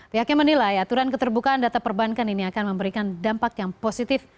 pihaknya menilai aturan keterbukaan data perbankan ini akan memberikan dampak yang positif